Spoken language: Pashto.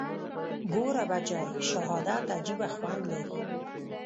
ګوره بچى شهادت عجيبه خوند لري.